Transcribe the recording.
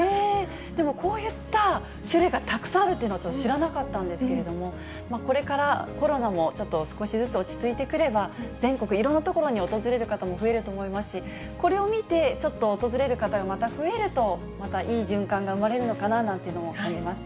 でも、こういった種類がたくさんあるというのは知らなかったんですけれども、これからコロナもちょっと、少しずつ落ち着いてくれば、全国いろんな所に訪れる方も増えると思いますし、これを見て、ちょっと訪れる方がまた増えると、またいい循環が生まれるのかななんていうのも感じました。